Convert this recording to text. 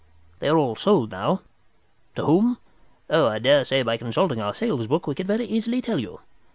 They are all sold now. To whom? Oh, I daresay by consulting our sales book we could very easily tell you.